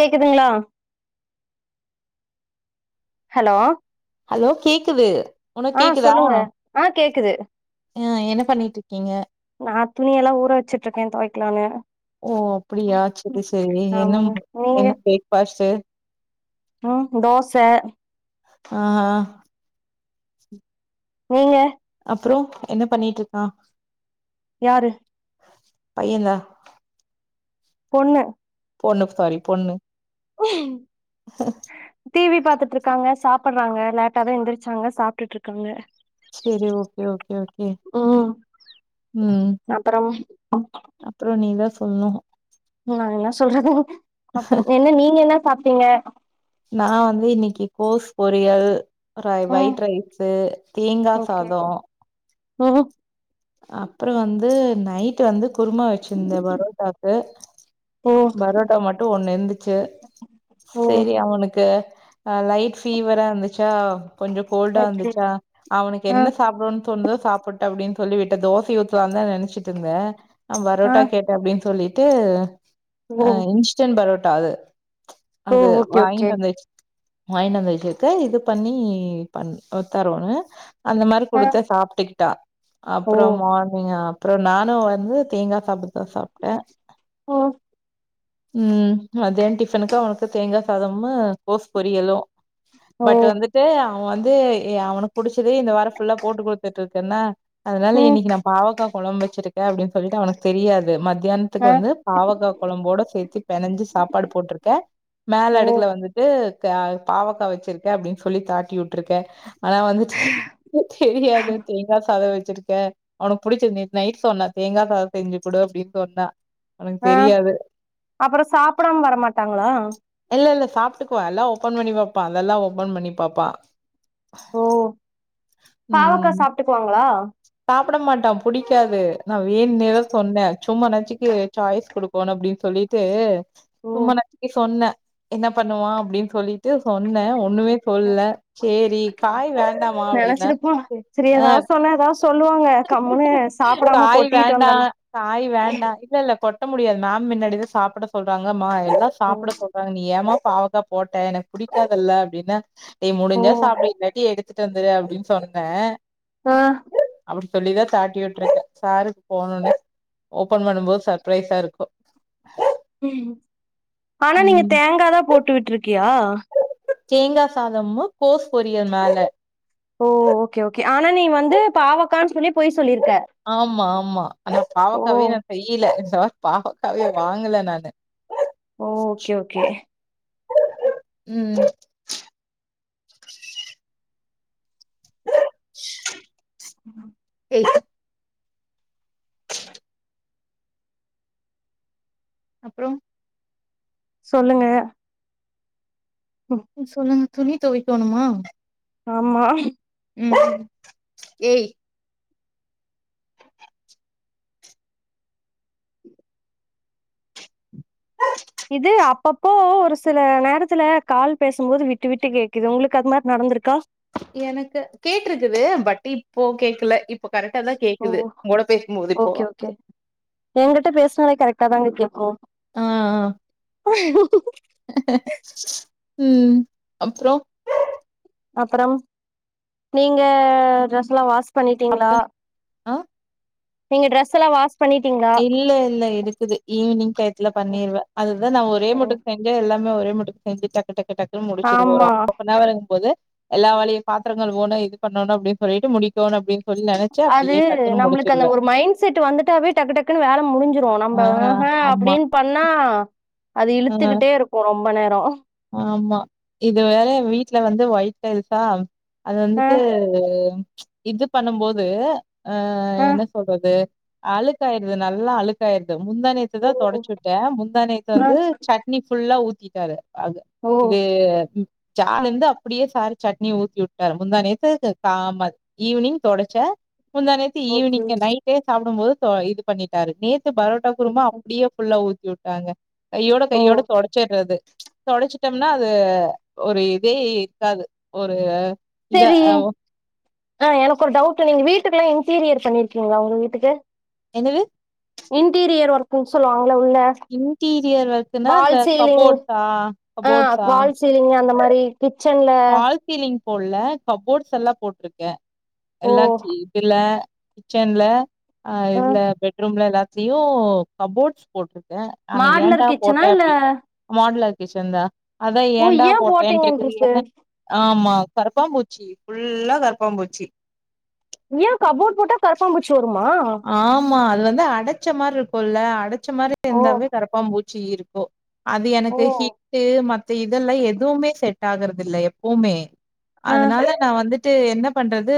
கேக்குதுங்களா? Hello hello கேக்குது உனக்கு ஆ கேக்குதா சொல்லுங்க ஆ கேக்குது ஆ என்ன பண்ணிட்டு இருக்கீங்க நா துணியல்லா ஊற வச்சிட்டு இருக்கேன் துவைக்கலான்னு ஓ அப்டியா சேர் சேரி என்ன ஆமாங்க நீங்க என்ன ப்ரேக்பாஸ்ட்டு ம் தோச ஆ நீங்க அப்றோ என்ன பண்ணிட்டு இருக்கான் யாரு பையந்தா பொண்ணு பொண்ணு சாரி பொண்ணு உஹ டிவி பார்த்துட்டு இருக்காங்க சாப்பறாங்க லேட்டாதா எந்திரிச்சாங்க சாப்ட்டுட்டு இருக்காங்க சேரி ஓகே ஓகே ஓகே ம் ம் அப்பறம் அப்பறோ நீதா சொல்ணு நா என்ன சொல்றது அப்பறோ என்ன நீங்க என்ன சாப்ட்டீங்க நான் வந்து இன்னிக்கு கோஸ் பொரியல் ர ம் ஒயிட் ரைஸ்சு தேங்கா சாதோ ஓ அப்பறோ வந்து நைட் வந்து குருமா வச்சிருந்தேன் பரோட்டாக்கு. ஓ பரோட்டா மட்டும் ஒண்ணு இருந்துச்சு ஓ சேரி அவனுக்கு ஆ லைட் ஃபீவரா இருந்துச்சா கொஞ்சோ கோல்டா ஓகே இருந்துச்சா அவனுக்கு ஆ என்ன சாப்படணு தோனுதோ சாப்பட்டும் அப்டின் சொல்லிவிட்ட தோசைய ஊத்தலான்னு தான் நினச்சுட்டு இருந்தேன் அவன் ஆ பரோட்டா கேட் டான் அப்டின்னு சொல்லிட்டு ஓ இன்ஸ்டன்ட் பரோட்டா அது ஓ அது ஓகே ஓகே வாங்கிட்டு வந்து வச் வாய்ன்ட்டு வந்து இருக்க இது பண்ணி பண்த்தரவான்னு அந்த மாரி ஆ குடுத்தா சாப்பிட்டுக்கிட்டா ஓ அப்பறோ மார்னிங்கா அப்பறோ நானும் வந்து தேங்காய் சாப்பிடடுதான் சாப்ட்டேன் ஓ ம் மதியான் டிஃபனுக்கு அவனுக்கு தேங்காய் சாதம்மு கோஸ் பொரியலு பட் ஓ வந்துட்டு அவன் வந்து எ அவனுக்கு புடிச்சதே இந்த வாரம் ஃபுல்லா போட்டு குடுத்துட்டு இருக்கனா அதனால ம் இன்னிக்கு நா பாவக்கா குழம்பு வச்சிருக்கே அப்டின் சொல்லிட்டு அவனுக்கு தெரியாது மதியான் துக்கு ஆ வந்து பாவக்கா குழம்போட சேர்த்து பெனஞ்சி சாப்பாடு போட்டிருக்கே ஓ மேல அடுக்கல வந்து ஏ க பாவக்கா வச்சிருக்க அப்டின் சொல்லி தாட்டி விட்டுருக்கே ஆனா வந்து ஹ தெரியாது தேங்கா சாதோ வச்சிருக்கே அவனுக்கு புடிச்ச நேத் நைட் சொன்னா தேங்கா சாதோ செஞ்சு கொடு அப்டின்னு சொன்னா அவனுக்கு தெரியாது அப்புறம் சாப்புடாம வரமாட்டாங்களா இல்ல இல்ல சாப்ட்டுக்குவா எல்லா ஓபன் பண்ணி வப்பா அதெல்லா ஓப்பன் பண்ணி பாப்பா ஓ பாவக்கா ம் சாப்ட்டுக்குவாங்களா சாப்ட மாட்டா புடிக்காது நா வேனுன்னேதா சொன்னே சும்மா நாச்சுக்கு சாய்ஸ் கொடு போனு அப்படின் சொல்லிட்டு ஓ சும்மா நாட்டிக்கு சொன்னே என்ன பண்ணுவா அப்படின் சொல்லிட்டு சொன்னே ஒண்ணுமே சொல்ல சேரி காய் வேண்டாமா அப்டின்ன ஆ எதாவது சொல்லுவாங்க கம்முன்னு சாப்டாம காய் கொட்டிட்டு வேண்டா வந்துர்லா காய் வேண்டா இல்ல இல்ல கொட் ட்ட முடியாது மேம் முன்னாடிதா சாப்பிட சொல்றாங்க மா எல்லா ஓ சாப்பிட சொல்றாங்க நீ ஏம்மா பாவக்கா போட்டே எனக் பிடிக்காதுல்ல அப்டின்னா நீ ஓ முடிஞ்சா சாப்டு இல்லாட்டி எடுத்துட்டு வந்துரு அப்படின் சொன்னே ஆ அப்படி சொல்லிதா சாட்டி உட்ரது சாருக்கு போன உனே ஓபன் பண்ணும்போது சர்ப்ரைஸா இருக்கு ம் ஆனா நீங்க ம் தேங்காதா போட்டு விட்ருக்கியா தேங்காசாதமு கோஸ் பொரியல் மேல ஓ ஓகே ஓகே ஆனா நீ வந்து பாவக்கான்னு சொல்லி பொய் சொல்லியிருக்க ஆமா ஆமா ஆனா பாவக்காவே நா செய்யல நா பாவக்காவே வாங்கல நானு ஓ ஓகே ஓகே உம் [inaudible] உம் எ அப்புறம் சொல்லுங்க ம் ம் சொல்லுங்க துணி துவைக்கணுமா ஆமா உம் ஏய் ஹ இது அப்பப்போ ஒரு சில நேரத்துல கால் பேசும்போது விட்டு விட்டு கேக்குது உங்களுக்கு அது மாரி நடந்திருக்கா எனக்கு கேட்டிருக்குது பட் இப்போ கேக்கல இப் போ கரெக்டாதா ஓ கேக்குது உங்களோட பேசும்போது இப்போ எங்கிட்ட பேசுனாலே கரெக்டா தாங்க கேட்கும் ஆ ஆ ஹ உம் அப்புறோ அப்புறம் நீங்க டிரஸ்லா வாஷ் பண்ணிட்டீங்களா ஆ நீங்க டிரஸ் எல்லா வாஷ் பண்ணிட்டீங்களா இல்ல இல்ல இருக்குது ஈவினிங் டைத்துல ம், பண்ணிருவே அதுதா நா ஒரே ம். மட்டுக்கு செஞ்சா எல்லா நம்ம ஒரே மட்டுக்கு செஞ்சு டக்கு டக்கு டக்குன்ன முடிச்சடுவோ ஒரு ஆமா ஆஃப் அன்னவர் இருக்கும்போது எல்லா வேலையு பாத்திரங்கள் ஒவ்வொணு இது பண்ணணு அப்படின் சொல்லிட்டு முடிக்கணு அப்டின் சொல்லி நினைச் அது நம்மளுக்கு அந்த ஒரு மைண்ட் செட் வந்துட்டாவே டக்கு டக்குன்னு வேல முடிஞ்சிரு சோ ஆ நம்ம ஆஹா ஆமா அப்படின் பண்ணா அது ஆ இழுத்துகிட்டே இருக்கும் ரொம்ப நேரம் ஆமா இது வேற வீட்ல வந்து வொய்ட் டைல்ஸா அது ஆ வந்துட்டு இது பண்ணும்போது ஆ ஆ என்ன சொல்றது அழுக்காய்ருது நல்லா அழுக்காய்ருது முந்தாநேத் துதா ஓ தொடச்சுட்டே முந்தா நேத்து ஆ வந்து சட்னி ஃபுல்லா ஊத்திட்டாரு அது ஓ இது ம் சார்ல இருந்து அப்டியே சாரு சட்னிய ஊத்தி வுட்டாரு முந்தாநேத்து க காம ஈவ்னிங் தொடச்சா முந்தாநேத் து ஓகே ஈவ்னிங்கு நைட்டே சாப்டும்போது சோ இது பண்ணிட்டாரு நேத்து பரோட்டா குருமா ஓகே அப்டியே ஃபுல்ல ஊத்தி வுட்டாங்க கையோட ஓ கையோட தொடச்சிட்றது தொடச்சுட்டம்னா அது ஒரு இதே இருக்காது ஒரு இத செரி அ ஆ எனக்கு ஒரு டவுட்டு நீங்க வீட்டுக்குள்ளே இன்டீரியர் பண்ணிருக்கீங்ளா ஒங்க வீட்டுக்கு என்னது இன்டீரியர் ஒர்க்குன் சொல்லுவாங்கள உள்ள இன்டீரியர் ஒர்க்குனா வால் இந்த கபோர்ட்ஸா கபோர்ட்ஸா சீலிங்கு அந்த மாரி கிச்சன்ல பால் சீலிங் போட்ல கப்போர்ட்ஸ் எல்லா போட்ருக்கே ஓ எல்லா கி இதுல கிச்சன்ல அ ஆ இதுல பெட்ரூம்ல எல்லாத்துலயு கபோர்ட்ஸ் போட்ருக்கே ஆனா மாடுலர் ஏன்டா கிச்சனா போட்டே இல்ல அப்டினு மாடலர் கிச்சன்தா அதா ஓ ஏன்டா ஏ போட்டேன்ட்ருக்குது போட்டீங்கன்ருக்கு ஏனா ஆமா கரப்பாம்பூச்சி ஃபுல்லா கரப்பாம்பூச்சி ஏ கபோர்ட் போட்டா கரப்பாம்பூச்சி வருமா ஆமா அது வந்து அடச்ச மார்ருக்குல்ல அடச்ச மாரி ஓ இருந்தாவே கரப்பாம்பூச்சி இருக்கு அது ஓ எனக்கு ஹிட்டு் மத்த இதெல்லா எதுவுமே செட் ஆகறதில்ல எப்போமே ஆ அதுனால நா வந்துட்டு என்ன பண்றது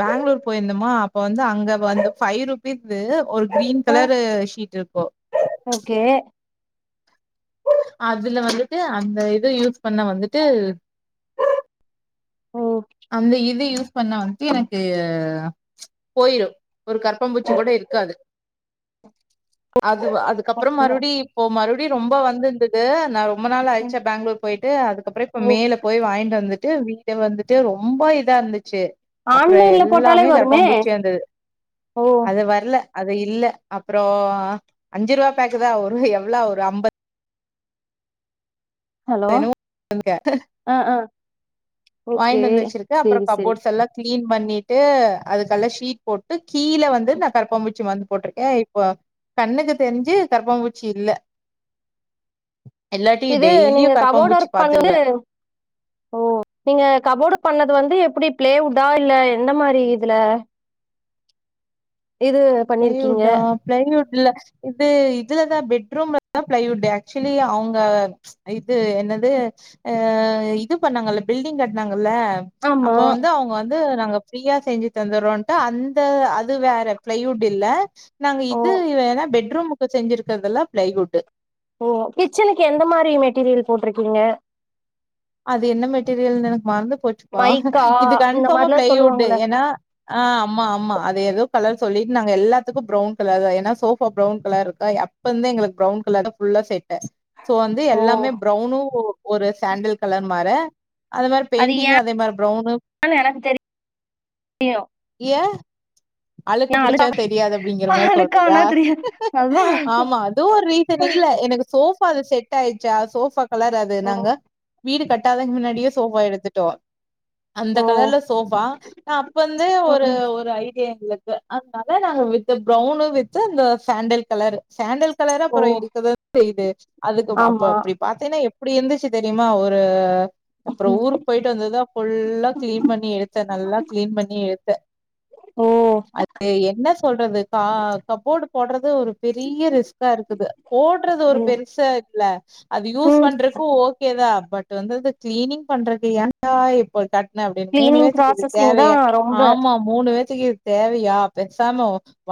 பேங்ளூர் போயிருந்தமா அப்ப வந்து அங்க வந்து ஃபைவ் ருபீஸு ஒரு க்ரீன் ஆ கலரு ஷீட் இருக்கு ஓகே அதுல வந்துட்டு அந்த இது யூஸ் பண்ண வந்துட்டு ம் அந்த இது யூஸ் பண்ண வந்துட்டு எனக்கு போயிரு ஒரு கரப்பாம்பூச்சி ஓ கூட இருக்காது அதுவா அது க்கப்ற அப்டியா மறுவடி இப்போ மறுவடி ரொம்ப வந்திருந்தது நா ரொ ரொம்ப நாள் ம் ஆயிருச்சா பேங்ளூர் போயிட்டு அதுக்கப்ற இப்ப ஓ மேல போய் வாங்கிட்டு வந்துட்டு வீட வந்து ட்டு ரொம்ப இதா இருந்துச்சு அப்ற ஆன்லைன்ல போட்டாலே எல்லாமே வருமே கரப்பாம்பூச்சியா இருந்தது ஓ அது வர்ல அது இல்ல அப்றோ அஞ்சு ரூவா பேக்கு தா ஒரு எவ்ளோ ஒரு அம்பத் [inaudible] ஹலோ ஆ ஆ ஓகே வாங்கிட்டு வந்து வச்சிருக்கே அப்பற சேரி சேரி கபோர்ட்ஸ் எல்லா க்ளீன் பண்ணிட்டு அதுக்கெல்லா ஷீட் போட்டு கீழ வந்து நா கரப்பாம்பூச்சி மருந்து போட்ருக்கே இப்ப கண்ணுக்கு தெரிஞ்சு கரப்பாம்பூச்சி இல்ல எல்லாட்டி இது டெய்லியு நீங்க கபோர்ட் கரப்பாம்பூச்சி ஒர்க் பாத்துருவே பண்ணது ஓ நீங்க கபோர்டு பண்ணது வந்து எப்டி பிளேவுட்டா இல்ல எந்த மாரி இதுல இது பண்ணிருக்கீங்க பிளேயுட்டா பிளைவுட்ல இது இதுலதான் பெட்ரூம்ல தான் பிளைவுட் ஆக்சுவலி அவங்க இது என்னது ஆ இது பண்ணாங்கல்ல பில்டிங் கட்டனாங்கல்ல ஆமா அப்போ வந்து அவங்க வந்து நாங்க பிரீயா செஞ்சு தந்துறோன்ட்டு அந்த அது வேற பிளைவுட் இல்ல நாங்க ஓ இது என்ன பெட்ரூமுக்கு செஞ்சிருக்குறதெல்லாம் பிளைவுட் ஓ கிச்சனுக்கு எந்த மாரி மெட்டீரியல் போட்டிருக்கீங்க அது என்ன மெட்டீரியல்னு எனக்கு மறந்து போச்சுப்ப மைக்கா இது இந்த கன்ஃபார்மா மாரிலா பிளவுட் சொல்லுவாங்கள ஏனா ஆ அம்மா ஆமா அது எதோ கலர் சொல்லிட்டு நாங்க எல்லாத்துக்கும் ப்ரவுன் கலர் தான் ஏனா சோஃபா ப்ரவுன் கலர் இருக்கா இப்ப வந்து எங்கலுக் பிரவுன் கலர்தா ஃபுல்லா செட் சோ வந்து ஓ எல்லாமே ப்ரௌனும் ஒரு சாண்டில் கலர் மார அந்த மாரி அது பெயிண்டிங் அதே மாரி ப்ரௌனு ஏன்னு எனக்கு தெரியு ஏ அழுக்கு புடிச்சா அழுக்கா தெரியாது அப்படிங்கிற மாரி சொல்றியா அழுக்கானா தெரியாது அதா ஆமா அதுவும் ஒரு ரீசன் இல்ல எனக்கு சோபாது செட் டா ஆயிடுச்சா சோஃபா கலர் அது ஓ நாங்க வீடு கட்டாதக்கு முன்னாடியே சோஃபா எடுத்துட்டோம் அந்த ஓ கலர்ல சோஃபா அப்ப வந்து ம் ஒரு ம் ஒரு ஐ எங்களுக்கு அதனால நாங்க வித்து பிரவுன்னு வித்து இந்த சாண்டல் கலர் சாண்டல் களரு ஓ அப்ரோ இருக்கதா செய்து அதுக்கு அப்ப ஆமா அப்படி பா தின்னா எப்டி இருந்துச்சு தெரியுமா ஒரு அப்ரோ ம் ஊர் போயிட்டு வந்ததா ஃபுல்லா கிளீன் பண்ணி எடுத்த நல்லா கிளீன் பண்ணி எடுத்த ஓ அது என்ன சொல்றது கா கபோர்டு போடுறது ஒரு பெரிய ரிஸ்கா இருக்குது போடுறது ஒரு ம் பெருசா இல்ல அது யூஸ் ம் பண்றப்போ ஓ கேதா பட் வந்து அது கிளீனிங் பண்றதுக்குயன் டா இப்ப கட்ன அப்படின்னு மூணு கிளீனிங் பேத்துக்கு இது ப்ராசஸிங் தா தேவைய ரொம்ப ஆமா மூணு பேத்துக்கு இது தேவையா பேசாம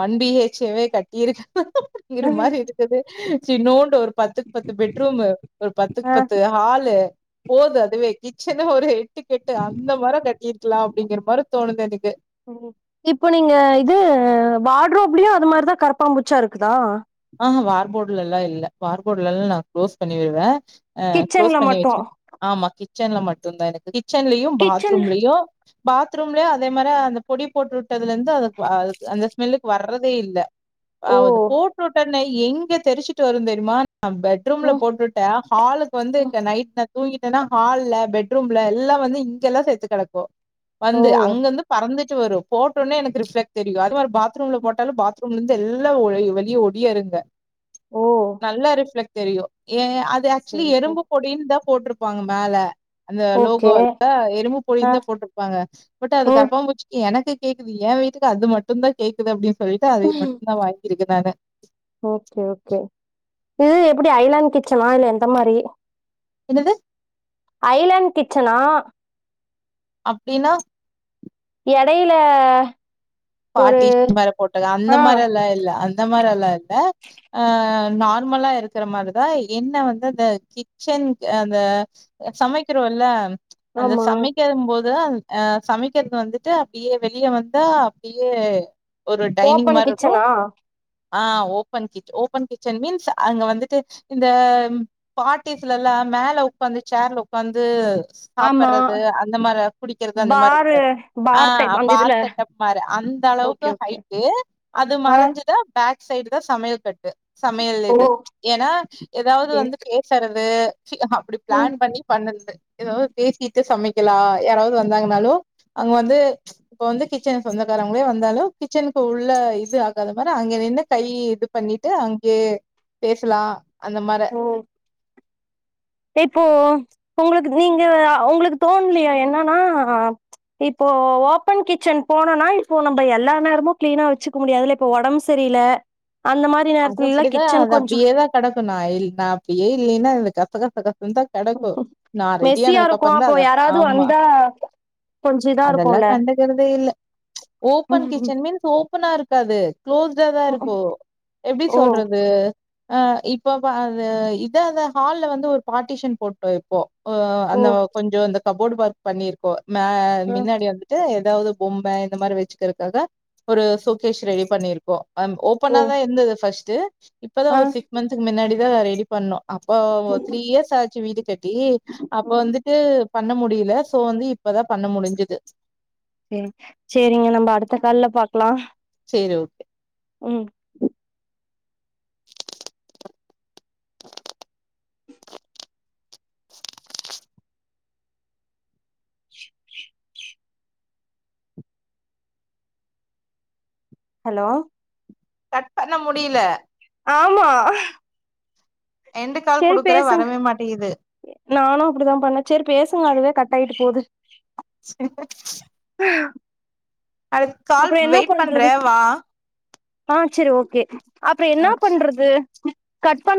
ஒன் பிஹெச்வே கட்டியிருக்கலா ம் மாரி இரு தது சி பன்நோண்டு ஒரு பத்துக்கு பத்து பெட்ரூம் ஒரு பத்துக்கு ஆ பத்து ஹாலு போது அதுவே கிச்சன் ஒரு எட்டுக் கெட்டு அந்த மரம் கட்டிருக்கலாம் அப்படிங்கிற மாரி தோணுது எனக்கு இப்போ நீங்க இது வாடுறோ அப்படியும் அது மாரிதான் கரப்பாம்பூச்சா இருக்குதா ஆஹ் வார்போர்டுல எல்லாம் இல்ல வார்போர்டுலல்லாம் நான் கு்ளோஸ் பண்ணிவிடுவ அஹ கிச்சன்ல க்ளோஸ் பண்ணி மட்டு வச்சன் ஆமா கிச்சன்ல மட்டுும்்தான் எனக்கு கிச்சன்லயும் கிச்சன்ல பாத்ரூம்லயும் பாத்ரூம்லயே அதே மாதிரி அந்த பொடி போட்டு விட்டதுல இருந்து அது அந்த ஸ்மெல்லுக்கு வர்றதே இல்ல ஓ அது போட்டுட்டனே எங்க தெரிச்சுட்டு வரு தெரியுமா பெட்ரூம்ல ம் போட்டுட் ஹாலுக்கு வந்து ம் நைட் நா தூங்கிட்டன்னா ஹால்ல பெட்ரூம்ல எல்லா வந்து இங்கெல்லா செத்து கிடக்கு ஓ வந்து அங்கந்து பறந்துட்டு வரு போட்டோனே எனக்கு ரிஃப்ளேக் தெரியு அதே மாதிரி பாத்ரூம்ல போட்டாலு இருந்து எல்லா ஒலிய வெளிய ஓடி உள்ளே இருங்க ஓ நல்லா ரிஃப்ளெக்ட் தெரியு ஏ அது ஆக்சோலி சரி சரி எறும்பு பொடின்னுத போட்டிருப்பாங்க மேல அந்த ஓகே லோகோலே எறும்பு ஆ பொடினுத போட்டிருப்பாங்க பட் அது ம் கரபா பூச்சி எனக்கு கேக்குது ஏ வீட்டுக்கு அது மட்டுத கேக்குது அப்டின்னு சொல்லிட்டு அத மட்டுத வாங்கியிருக்கே நானு ஓகே ஓகே இது எப்புடி ஐலண்டு கிச்சனா இல்லே எந்த மாரி என்னது ஐலாண்ட் கிச்சனா அப்டின்னா எடையில ஒரு பாட்டி இ மாிர போட்டங்க அந்த ஆ மாதிரி எல்லாம் இல்ல அந்த மாதிரி எல்லாம் இல்ல அ நார்மலா இருக்கிற மாரிதா என்ன வந்து அந்த கிச்சன் அந்த சமைக்கிறோல்ல அந்த ஆமா சமைக்க போது அ சமைக்குறது வந்துட்டு அப்டியே வெளிய வந்தா பெரீய ஒரு டைனிங் ஓபன் மாரி இருக்கோ கிச்சனா ஆ ஓபன் கிட் ஓபன் கிச்சன் மீன்ஸ் அங்க வந்துட்டு இந்த பார்ட்டிஸ்லல்லா மேல ஒக்காந்து சேர்ல ஒக்காந்து ஆமா சாப்படறது அந்த மாரி குடிக்கறது அந்த மாரி இருக்கு பாரு ஆ பார் டைப் அந்த இதுல பாத்த டப் மாரு அந்த அளவுக்கு ஓகே ஓகே ஹைட்டு அது ஆ மறஞ்சுதா பேக் சைடுதா சமயல் கட்டு சமையல் இது ஓகே ஏனா ஏதாது வந்து பே சறது அப்புடி ம் பிளான் பண்ணி பண்ணறது ஏதாது பேசிட்டு சமைக்கலா யாராவது வந்தாங்கனாலு அங்க வந்து இப்ப வந்து கிச் சனுக்கு சொந்தக்காரங்களே வந்தாலு கிச்சனுக்கு உள்ள இது ஆகாத மாரி அங்க நின்னு கை இது பண்ணிட்டு அங்கேயே பேசலா அந்த மாரே ஓ இப்போ உங்குளுக்கு நீங்க உங்குளுக்கு தோண்லயா என்னன்னா இப்போ ஓபன் கிச்சன் போனனா இப்போ நம்போ எல்லா நேரமு கிளீனா வெச்சுக்க முடியாதுல இப்ப ஒடம்பு செரில அந்த மாரி அது நேரத்துலல்லா அப்புடிதா கிச்சன் அது கொஞ்சோ அப்புடியே தா கடக்கோ நா இல் நா அப்புடியே இல்லேன்னா இந்த கச கச கசந்தா கடக்கோ நா மெஸ்ஸியா ரெடியானதுக்கு இருக்கு அப்புறந்தா அப்போ அதப் யாராவது ஆமா வந்தா கொஞ்ச இதா அதல்லா இருக்குல்ல கண்டுக்கறதே இல்லே ஓப்பன் கிச்சன் மீன்ஸ் ஓபனா இருக்காது க்ளோஸ்டா தா இருக்கோ எப்டி ஓ சொல்றது இது அ இப்ப பா இது இதுஅது ஹால்ல வந்து ஒரு பாட்டிஷன் போட்டோ இப் போ உ ஓ அந்த கொஞ்சோ இந்த கபோர்டு ஒர்க் பண்ணிருக்கோ மே அ மின்னாடி வந்து ட்டு எதாவது பொம்ம இந்த மாரி வெச்சுக்கிறதுக்காக ஒரு ஷோகேஷ் ரெடி பண்ணிருக்கோ அ ஓ ஓபனாதா இர்ந்துது ஃபஸ்ட்டு இப்பதா அ ஒரு சிக்ஸ் மந்த்க்கு மின்னாடி தா ரெடி பண்ணோ அப்போ ஓர் த்ரீ இயர்ஸ் ஆச்சு வீடு கட்டி அப்ப ம் வந்துட்டு பண்ண முடியுலே சோ வந்து இப்பதா பண்ண முடிஞ்சுது செரி செரிங்க நம்ம அடுத்த கால்ல பாக்கலா சேரி ஓகே ம் ஹலோ கட் பண்ண முடியுல ஆமா எண்டு கால் சேரி குடுக்குற பேசுங்க வரவே மாட்டிங்குது நானு அப்புடிதா பண்ணே சேரி பேசுங்க அதுவே கட் ஆயிட்டு போது செரி [unintelligible] அதுக்கு கால் அப்றோ என்ன வெயிட் பண்றது பண்றே வா ஆ செரி ஓகே அப்புறோ என்னா பண்றது கட் பண்